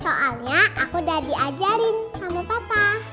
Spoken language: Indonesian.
soalnya aku udah diajarin sama papa